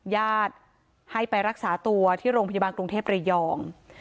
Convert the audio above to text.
ญาติให้ไปรักษาตัวที่โรงพยาบาลกรุงเทพระยอง